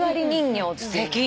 すてき。